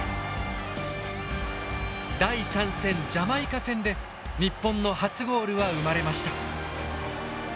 第３戦ジャマイカ戦で日本の初ゴールは生まれました。